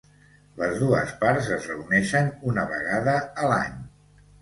Les dues parts es reuneixen una vegada a l'any.